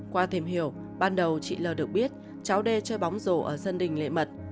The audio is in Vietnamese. qua thêm hiểu ban đầu chị lan được biết cháu d chơi bóng rổ ở sân đình lệ mật